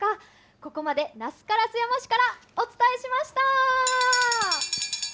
ここまで那須烏山市からお伝えしました。